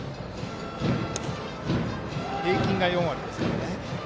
平均が４割ですから。